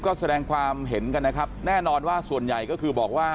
ก็แสดงความเห็นกันนะครับแน่นอนว่าส่วนใหญ่ก็คือบอกว่า